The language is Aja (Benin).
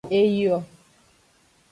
Eyio.